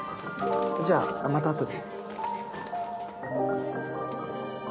じゃあまた後で。